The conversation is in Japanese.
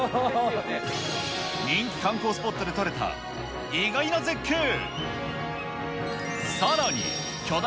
人気観光スポットで撮れた意外な絶景。